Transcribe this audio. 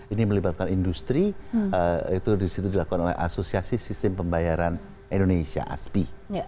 ini melibatkan industri itu disitu dilakukan oleh asosiasi sistem pembayaran indonesia aspi